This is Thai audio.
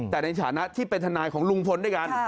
แต่ในฐานะที่เป็นทนายของลุงพลด้วยกัน